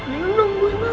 bu bukain bu